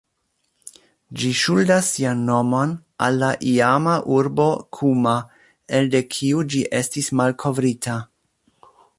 Ĝi ŝuldas sian nomon al la iama urbo Kuma, elde kiu ĝi estis malkovrita.